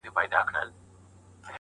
په ناستو اشخاصو يو خاص تاثير واچاوه